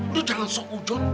lu jangan sok ujot